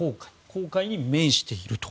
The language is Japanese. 紅海に面していると。